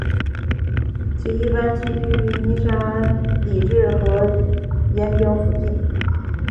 其一般栖息于泥沙底质和岩礁附近的海区以及也可生活于咸淡水或淡水水域。